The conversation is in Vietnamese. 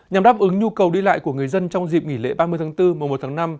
nhằm đáp ứng nhu cầu đi lại của người dân trong dịp nghỉ lễ ba mươi tháng bốn mùa một tháng năm